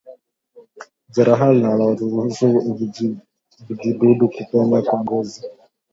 Jeraha linaloruhusu vijidudu kupenya kwenye ngozi